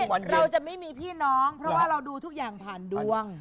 เราจะไม่มีพี่น้องเพราะว่าเราดูทุกอย่างผ่านดวง